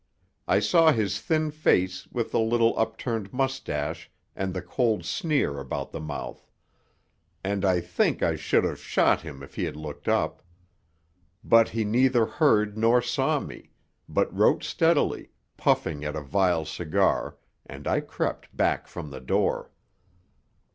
I saw his thin face with the little upturned mustache and the cold sneer about the mouth; and I think I should have shot him if he had looked up. But he neither heard nor saw me, but wrote steadily, puffing at a vile cigar, and I crept back from the door.